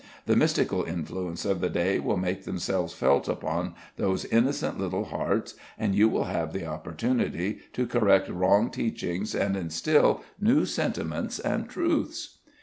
The mystical influences of the day will make themselves felt upon those innocent little hearts, and you will have the opportunity to correct wrong teachings and instil new sentiments and truths."